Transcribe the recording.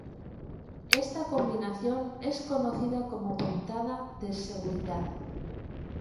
Esta combinación es conocida como puntada de seguridad.